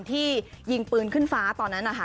ที่ยิงปืนขึ้นฟ้าตอนนั้นนะคะ